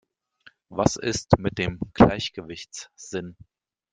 Aber was ist mit dem Gleichgewichtssinn?